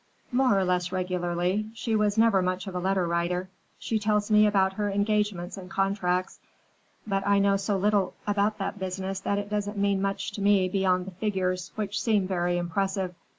"More or less regularly. She was never much of a letter writer. She tells me about her engagements and contracts, but I know so little about that business that it doesn't mean much to me beyond the figures, which seem very impressive.